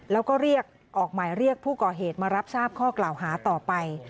แล้วก็เรียกออกหมายเรียกผู้ก่อเหตุมารับทราบข้อกล่าวหาต่อไป